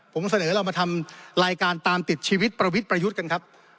ผมเสนอเรามาทำรายการตามติดชีวิตประวิทย์ประยุทธ์กันครับ